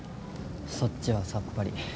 そっちはさっぱり。